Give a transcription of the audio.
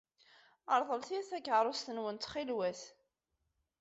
Ṛeḍlet-iyi takeṛṛust-nwen ttxilwet.